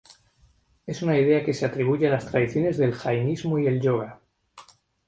Es una idea que se atribuye a las tradiciones del jainismo y el yoga.